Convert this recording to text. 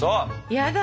やだ。